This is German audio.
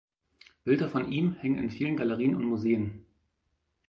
Bilder von ihm hängen in vielen Galerien und Museen.